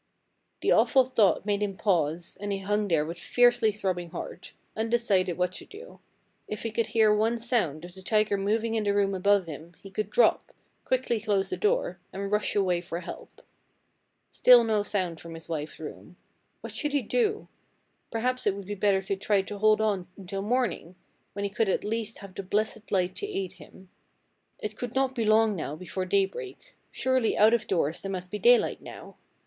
"The awful thought made him pause, and he hung there with fiercely throbbing heart, undecided what to do. If he could hear one sound of the tiger moving in the room above him he could drop, quickly close the door, and rush away for help. Still no sound from his wife's room. What should he do? Perhaps it would be better to try to hold on until morning, when he could at least have the blessed light to aid him. It could not be long now before daybreak. Surely out of doors there must be daylight now.